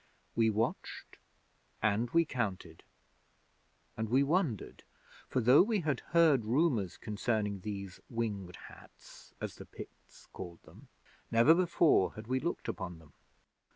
We watched, and we counted, and we wondered, for though we had heard rumours concerning these Winged Hats, as the Picts called them, never before had we looked upon them.